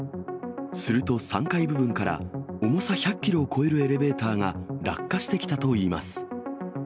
すると３階部分から、重さ１００キロを超えるエレベーターが落下してきたといいます。